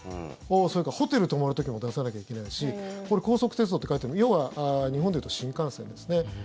それからホテル泊まる時も出さなきゃいけないしこれ、高速鉄道って書いてる要は日本で言うと新幹線ですね